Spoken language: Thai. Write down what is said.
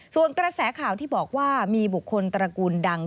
ส่วนกระแสข่าวที่บอกว่ามีบุคคลตระกูลดัง